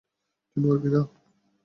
তুই মরবি না?